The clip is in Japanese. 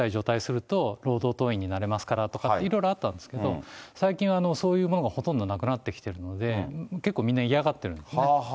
軍隊除隊すると、労働党員になれますとかって、いろいろあったんですけれども、最近はそういうものがほとんどなくなってきているので、結構みんな嫌がってるんですよね。